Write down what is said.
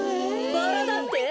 バラだって？